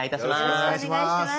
よろしくお願いします。